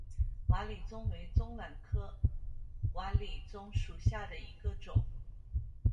瓦理棕为棕榈科瓦理棕属下的一个种。